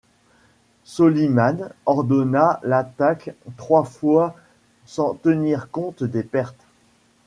Soliman ordonna l’attaque trois fois sans tenir compte des pertes.